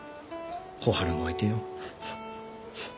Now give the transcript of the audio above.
小春も置いてよ。